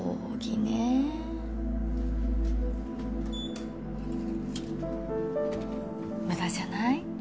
ピッ無駄じゃない？